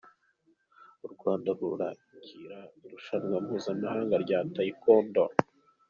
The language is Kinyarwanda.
U Rwanda rurakira irushanwa mpuzamahanga rya Tayekondo